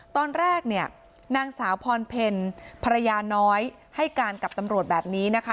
ตอนแรกเนี่ยนางสาวพรเพลภรรยาน้อยให้การกับตำรวจแบบนี้นะคะ